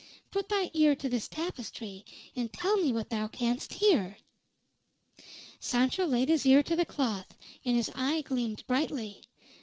Put thy ear to this tapestry, and tell me what thou canst hear." Sancho laid his ear to the cloth, and his eye gleamed brightly.